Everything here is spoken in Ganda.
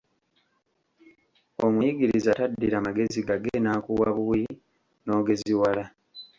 Omuyigiriza taddira magezi gage n'akuwa buwi n'ogeziwala.